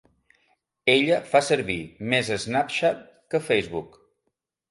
Ella fa servir més SnapChat que Facebook